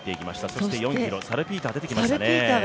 そして、４ｋｍ、サルピーターが出てきましたね。